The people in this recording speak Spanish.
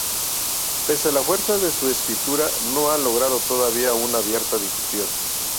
Pese a la fuerza de su escritura, no ha logrado todavía una abierta difusión.